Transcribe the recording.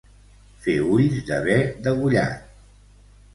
Fer ulls de be degollat.